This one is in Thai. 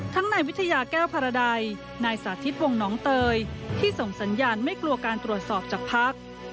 นายวิทยาแก้วภารใดนายสาธิตวงน้องเตยที่ส่งสัญญาณไม่กลัวการตรวจสอบจากพัก